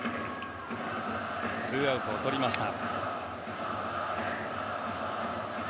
ツーアウトをとりました。